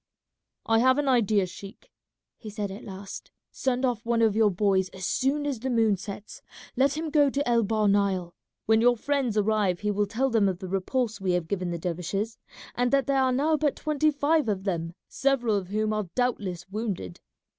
"I have an idea, sheik," he said at last. "Send off one of your boys as soon as the moon sets, let him go to El Bahr Nile. When your friends arrive he will tell them of the repulse we have given the dervishes, and that there are now but twenty five of them, several of whom are doubtless wounded.